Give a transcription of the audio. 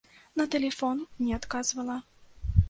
На тэлефон не адказвала.